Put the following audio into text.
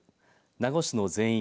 名護市の全域